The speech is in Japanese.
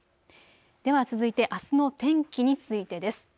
では続いてあすの天気についてです。